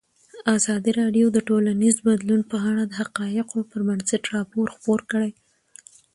ازادي راډیو د ټولنیز بدلون په اړه د حقایقو پر بنسټ راپور خپور کړی.